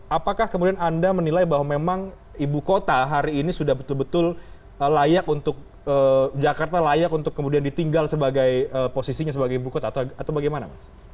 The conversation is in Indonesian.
apakah kemudian anda menilai bahwa memang ibu kota hari ini sudah betul betul layak untuk jakarta layak untuk kemudian ditinggal sebagai posisinya sebagai ibu kota atau bagaimana